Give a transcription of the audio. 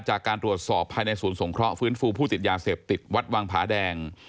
จากการตรวจสอบภายในศูนย์สงเคราะห์ฟื้นฟูผู้ติดยาเสพติดวัดวังผาแดง